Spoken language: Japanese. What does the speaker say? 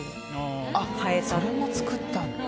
あっそれも作ったんだ。